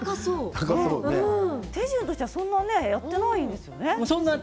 手順としては、そんなにやっていないんですよね。